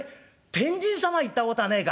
天神様行ったことはねえか？